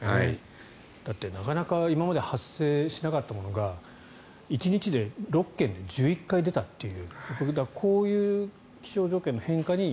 だってなかなか今まで発生しなかったものが１日で６県で１１回出たっていう。